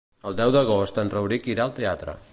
El deu d'agost en Rauric irà al teatre.